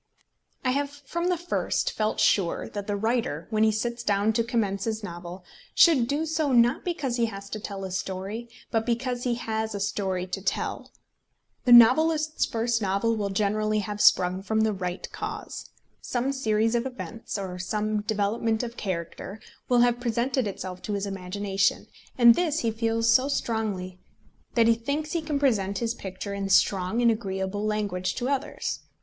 I have from the first felt sure that the writer, when he sits down to commence his novel, should do so, not because he has to tell a story, but because he has a story to tell. The novelist's first novel will generally have sprung from the right cause. Some series of events, or some development of character, will have presented itself to his imagination, and this he feels so strongly that he thinks he can present his picture in strong and agreeable language to others.